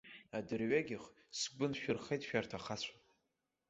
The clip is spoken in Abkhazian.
Адырҩегьх сгәы ншәырхеит шәарҭ ахацәа.